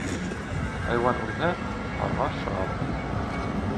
Хайуан үлһә, ҡарға шат